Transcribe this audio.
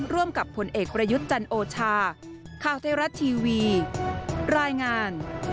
ร่วมกับผลเอกประยุทธ์จันทร์โอชา